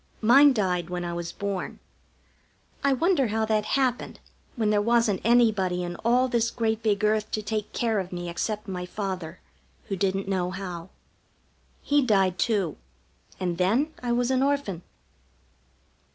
Mine died when I was born. I wonder how that happened when there wasn't anybody in all this great big earth to take care of me except my father, who didn't know how. He died, too, and then I was an Orphan.